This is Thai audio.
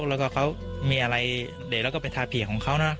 แล้วก็เขามีอะไรเด็กแล้วก็เป็นทาผีของเขานะ